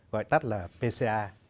gọi tắt là pca